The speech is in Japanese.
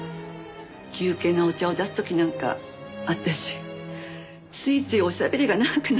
休憩のお茶を出す時なんか私ついついおしゃべりが長くなってしまって。